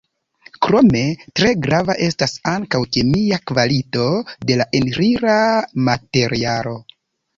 Krome, tre grava estas ankaŭ kemia kvalito de la elira materialo.